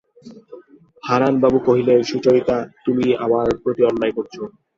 হারানবাবু কহিলেন, সুচরিতা, তুমি আমার প্রতি অন্যায় করছ।